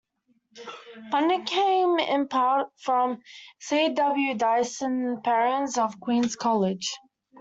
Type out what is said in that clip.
Funding came in part from C. W. Dyson Perrins of Queen's College.